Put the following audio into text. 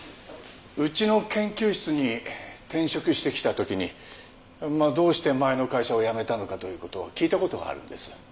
うちの研究室に転職してきたときにまあどうして前の会社を辞めたのかということを聞いたことがあるんです。